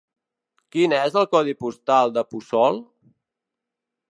Quin és el codi postal de Puçol?